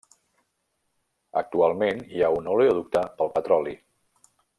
Actualment hi ha un oleoducte pel petroli.